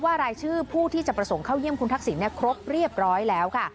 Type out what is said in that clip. รายชื่อผู้ที่จะประสงค์เข้าเยี่ยมคุณทักษิณครบเรียบร้อยแล้วค่ะ